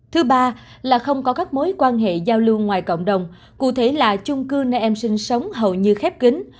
thứ ba là không có các mối quan hệ giao lưu ngoài cộng đồng cụ thể là chung cư nơi em sinh sống hầu như khép kính